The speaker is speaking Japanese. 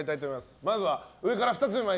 まずは上から２つ目です。